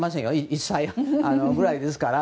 １歳ぐらいですから。